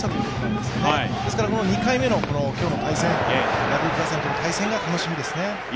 ですから２回目の今日の対戦、山本投手との対戦が楽しみですね。